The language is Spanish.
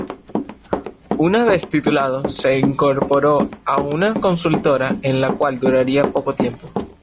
Una vez titulado se incorporó a una consultora en la cual duraría poco tiempo.